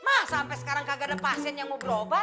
mah sampai sekarang kagak ada pasien yang mau berobat